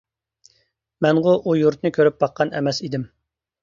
مەنغۇ ئۇ يۇرتنى كۆرۈپ باققان ئەمەس ئىدىم.